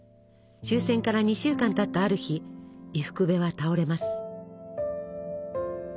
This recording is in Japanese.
終戦から２週間たったある日伊福部は倒れます。